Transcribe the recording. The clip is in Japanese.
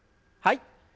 はい。